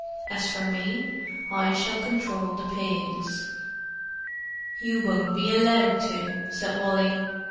"As for me, I shall control the pigs." "You won't be allowed to," said Wally.